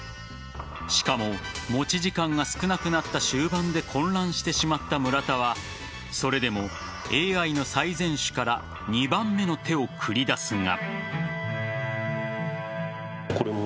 しかも持ち時間が少なくなった終盤で混乱してしまった村田はそれでも、ＡＩの最善手から２番目の手を繰り出すが。